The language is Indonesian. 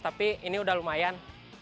tapi ini udah lumayan